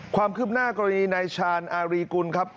ความคืบหน้ากรณีนายชาญอารีกุลครับ